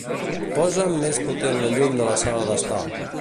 Posa'm més potent la llum de la sala d'estar.